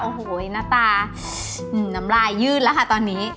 โอ้โหหน้าตาน้ำลายยืดแล้วค่ะตอนนี้